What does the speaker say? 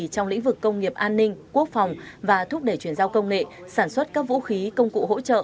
trong lĩnh vực công nghiệp an ninh quốc phòng và thúc đẩy chuyển giao công nghệ sản xuất các vũ khí công cụ hỗ trợ